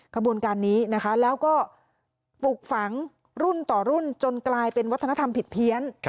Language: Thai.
ขบวนการนี้นะคะแล้วก็ปลุกฝังรุ่นต่อรุ่นจนกลายเป็นวัฒนธรรมผิดเพี้ยน